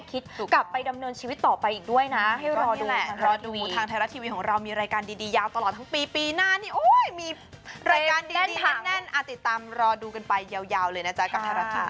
ก็รักกันไปอย่างนี้เรื่อยนะครับ